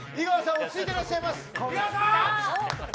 落ち着いていらっしゃいます。